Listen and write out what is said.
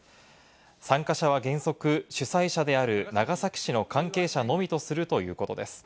参加者は原則、主催者である長崎市の関係者のみとするということです。